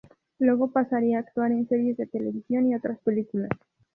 Luego pasaría a actuar en series de televisión y otras películas.